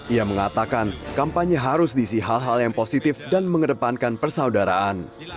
ia mengatakan kampanye harus diisi hal hal yang positif dan mengedepankan persaudaraan